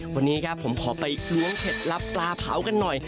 วันนี้ครับผมขอไปล้วงเคล็ดลับปลาเผากันหน่อย